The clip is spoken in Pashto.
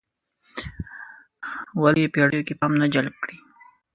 ولې پېړیو کې پام نه جلب کړی.